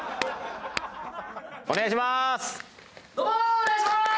お願いします！